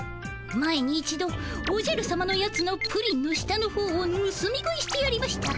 前に一度おじゃるさまのやつのプリンの下のほうをぬすみ食いしてやりました。